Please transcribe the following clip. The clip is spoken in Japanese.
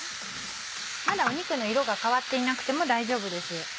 まだ肉の色が変わっていなくても大丈夫です。